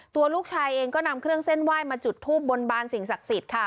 ตัวลูกชายเองก็นำเครื่องเส้นไหว้มาจุดทูบบนบานสิ่งศักดิ์สิทธิ์ค่ะ